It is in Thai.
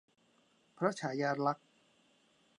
พระฉายาลักษณ์